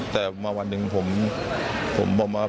แต่วันหนึ่งผมไม่มี